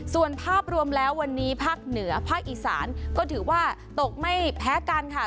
ส่วนภาพรวมแล้ววันนี้ภาคเหนือภาคอีสานก็ถือว่าตกไม่แพ้กันค่ะ